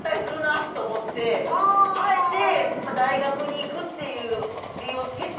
あえて大学に行くっていう理由をつけて。